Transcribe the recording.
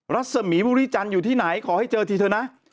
รัศมีบุรีจันทร์อยู่ที่ไหนขอให้เจอทีเถอะนะ